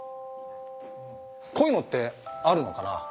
こういうのってあるのかな？